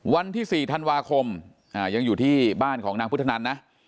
วันที่๔ธันวาคมยังอยู่ที่บ้านของนางพุทธนันนะ